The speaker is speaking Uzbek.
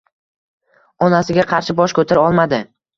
Onasiga qarshi bosh koʻtara olmadi